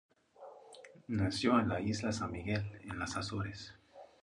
Nació en la Isla San Miguel, en las Azores.